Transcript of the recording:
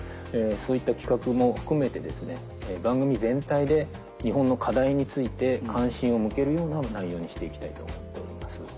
そういった企画も含めて番組全体で日本の課題について関心を向けるような内容にして行きたいと思っております。